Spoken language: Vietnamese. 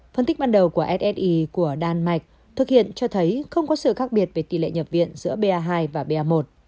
phân tích ban đầu của ssi của đan mạch thực hiện cho thấy không có sự khác biệt về tỷ lệ nhập viện giữa ba hai và ba một